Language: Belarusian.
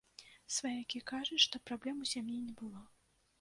Сваякі кажуць, што праблем у сям'і не было.